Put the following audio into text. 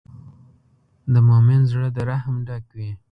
د مؤمن زړۀ د رحم ډک وي.